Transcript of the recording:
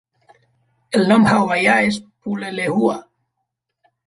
El nom hawaià és pulelehua.